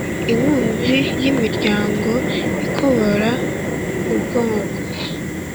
Inkunzi y’imiryango ikobora rugongo.